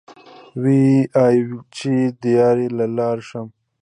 وې ئې چې " دیاړۍ له لاړ شم ـ